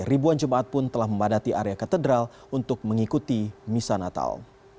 ribuan jumat pun telah memadati area katedral untuk mengikuti misanatal